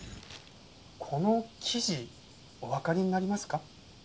この生地おわかりになりますか？